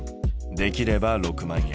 できれば６万円。